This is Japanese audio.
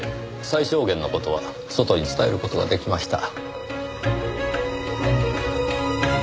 最小限の事は外に伝える事が出来ました。